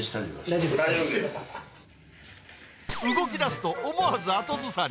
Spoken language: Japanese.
動きだすと、思わず後ずさり。